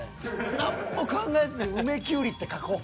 何も考えずに「梅きゅうり」って書こう。